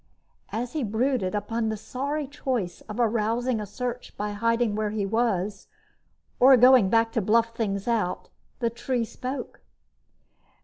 As he brooded upon the sorry choice of arousing a search by hiding where he was or going back to bluff things out, the tree spoke.